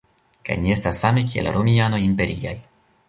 Kaj ni estas same kiel romianoj imperiaj.